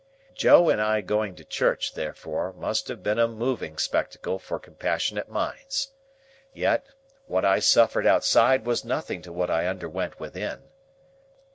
Joe and I going to church, therefore, must have been a moving spectacle for compassionate minds. Yet, what I suffered outside was nothing to what I underwent within.